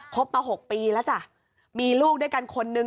บมา๖ปีแล้วจ้ะมีลูกด้วยกันคนนึง